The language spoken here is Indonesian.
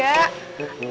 abah sama umi emang